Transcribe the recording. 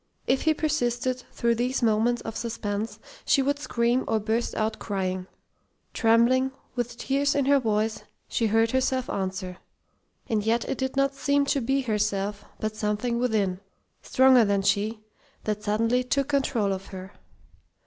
If he persisted, through these moments of suspense, she would scream or burst out crying. Trembling, with tears in her voice, she heard herself answer. And yet it did not seem to be herself, but something within, stronger than she, that suddenly took control of her.